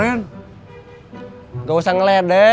walaupun ga plus bank monopolium melewati